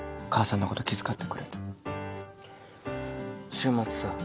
週末さ